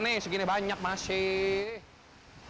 nih segini banyak masih